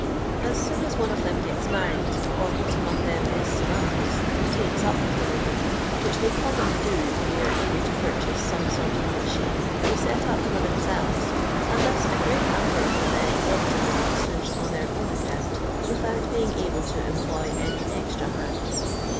As soon as one of them gets married, or what among them is synonymous, " tiikci up with a woman,' which they commonly do when they are uble to purchase some sort of a macliim*, ihey bot up fur themselves, and thus a great number of the men get to be masters on their own account, without being able to employ any extra hands.